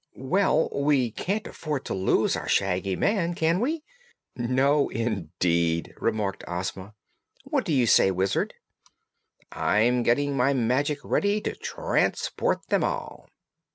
"Well, we can't afford to lose our Shaggy Man, can we?" "No, indeed!" returned Ozma. "What do you say, Wizard?" "I'm getting my magic ready to transport them all."